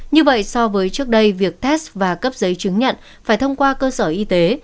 như vậy so với trước đây việc test và cấp giấy chứng nhận phải thông qua cơ sở y tế